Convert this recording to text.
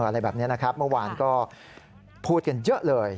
อะไรแบบนี้นะครับเมื่อวานก็พูดกันเยอะเลย